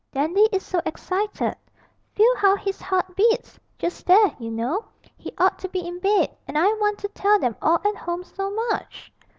'Dandy is so excited; feel how his heart beats, just there, you know; he ought to be in bed, and I want to tell them all at home so much!'